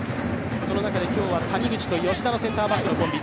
その中で今日は谷口と吉田のセンターバックのコンビ。